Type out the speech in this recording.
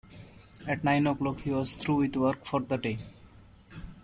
At nine o'clock he was through with work for the day.